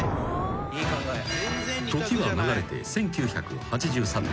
［時は流れて１９８３年］